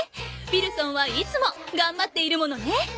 ウィルソンはいつもがんばっているものね。